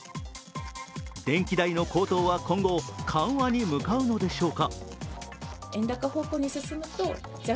電気代の高騰は今後、緩和に向かうのでしょうか？